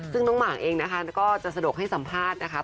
ซึ่งน้องหมากเองนะคะก็จะสะดวกให้สัมภาษณ์นะคะ